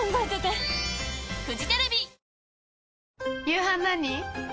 夕飯何？